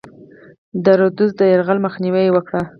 د رودز د یرغل مخنیوی یې وکړ.